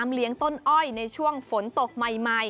เลี้ยงต้นอ้อยในช่วงฝนตกใหม่